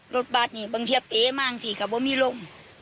รถบัฏบางทีจะเปะเยอะมากกว่ามีโล่ง